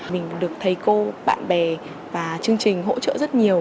mình được thầy cô bạn bè và chương trình hỗ trợ rất nhiều